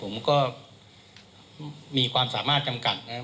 ผมก็มีความสามารถจำกัดนะครับ